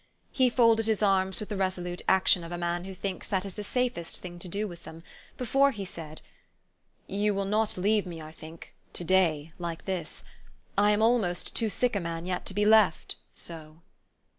He folded his arms with the resolute action of a man who thinks that is the safest thing to do with them, before he said, "You will not leave me, I think to day like this. I am almost too sick a man yet to be left so."